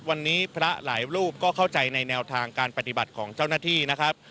วันนี้พระหลายรูปก็เข้าใจในแนวทางการปฏิบัติของเจ้าหน้าที่นะครับ